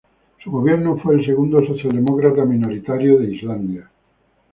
Su gobierno fue el segundo socialdemócrata minoritario de Islandia.